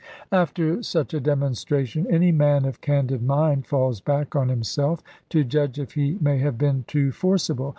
After such a demonstration, any man of candid mind falls back on himself, to judge if he may have been too forcible.